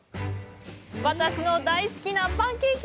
私の大好きなパンケーキ！